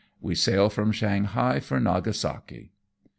WE SAIL FROM SHANGHAI FOE NAGASAKI.